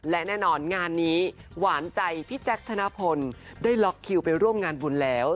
และแน่นอนงานนี้หวานใจพี่แจ๊คธนพลได้ล็อกคิวไปร่วมงานบุญแล้ว